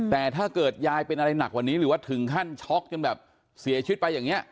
แต่ถ้าเกิดยายเป็นอะไรหนักกว่านี้หรือว่าถึงขั้นช็อกจนแบบเสียชีวิตไปอย่างนี้